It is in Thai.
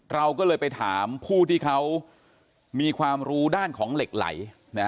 เราก็เลยไปถามผู้ที่เขามีความรู้ด้านของเหล็กไหล